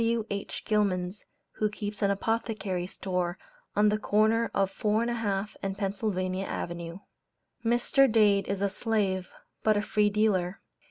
W.H. Gilman's, who keeps an Apothecary store on the corner of 4 1/2 and Pennsylvania Avenue. Mr. Dade is a slave, but a free dealer.